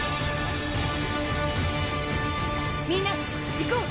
みんないこう！